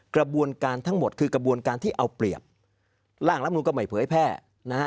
กระบวนการทั้งหมดคือกระบวนการที่เอาเปรียบร่างรับนูนก็ไม่เผยแพร่นะฮะ